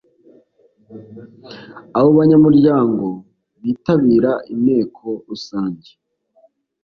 Abo banyamuryango bitabira inteko rusange